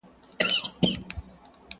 په هر ځای کي نر او ښځي په ژړا وه!.